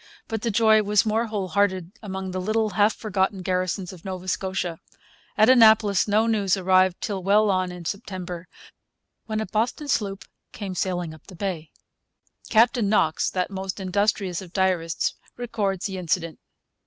But the joy was more whole hearted among the little, half forgotten garrisons of Nova Scotia. At Annapolis no news arrived till well on in September, when a Boston sloop came sailing up the bay. Captain Knox, that most industrious of diarists, records the incident.